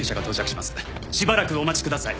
しばらくお待ちください。